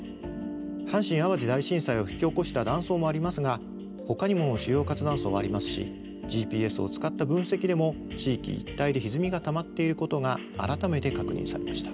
阪神・淡路大震災を引き起こした断層もありますがほかにも主要活断層はありますしＧＰＳを使った分析でも地域一帯でひずみがたまっていることが改めて確認されました。